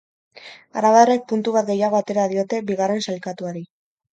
Arabarrek puntu bat gehiago atera diote bigarren sailkatuari.